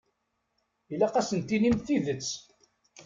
Ilaq ad sen-tinimt tidet.